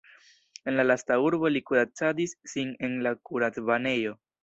En la lasta urbo li kuracadis sin en la kuracbanejo.